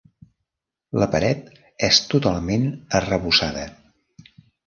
La paret és totalment arrebossada.